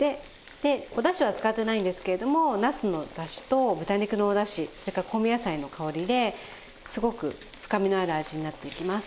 でおだしは使ってないんですけれどもなすのだしと豚肉のおだしそれから香味野菜の香りですごく深みのある味になっていきます。